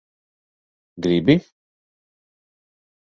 Gribi?